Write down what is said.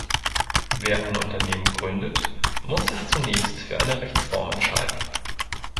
Wer ein Unternehmen gründet, muss sich zunächst für eine Rechtsform entscheiden.